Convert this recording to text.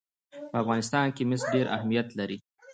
په افغانستان کې مس ډېر اهمیت لري.